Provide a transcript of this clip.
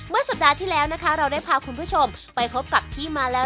สัปดาห์ที่แล้วนะคะเราได้พาคุณผู้ชมไปพบกับที่มาแล้ว